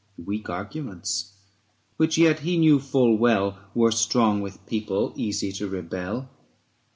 Weak arguments! which yet he knew full well Were strong with people easy to rebel.